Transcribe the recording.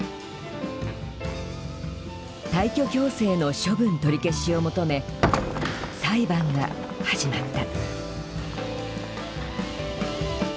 退去強制の処分取り消しを求め裁判が始まった。